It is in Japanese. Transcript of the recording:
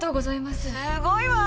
すごいわ！